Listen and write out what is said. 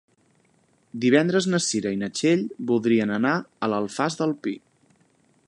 Divendres na Cira i na Txell voldrien anar a l'Alfàs del Pi.